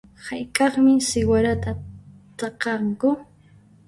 Hayk'aqmi siwarata t'akanku?